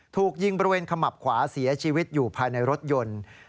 ถูกยิงบริเวณขมับขวาเสียชีวิตอยู่ภายในรถยนต์